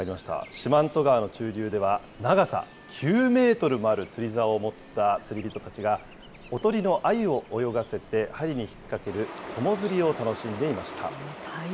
四万十川の中流では、長さ９メートルもある釣りざおを持った釣り人たちが、おとりのアユを泳がせて針に引っ掛ける友釣りを楽しんでいました。